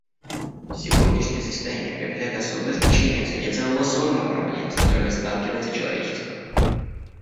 Сегодняшнее заседание приобретает особое значение в свете целого сонма проблем, с которыми сталкивается человечество.